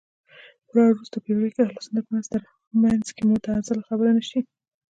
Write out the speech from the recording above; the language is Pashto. په راوروسته پېړيو کې اهل سنت منځ کې معتزله خبره نه شي